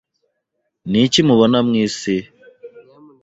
Niki mubona mwisi?